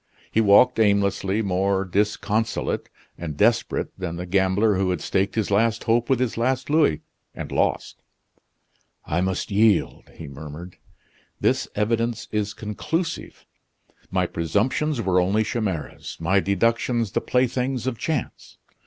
He walked aimlessly, more disconsolate and desperate than the gambler who had staked his last hope with his last louis, and lost. "I must yield," he murmured; "this evidence is conclusive. My presumptions were only chimeras; my deductions the playthings of chance!